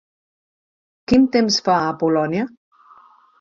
Quin temps fa a Polònia?